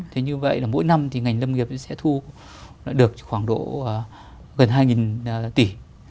thế như vậy là mỗi năm thì ngành lâm nghiệp sẽ thu được khoảng độ gần hai tỷ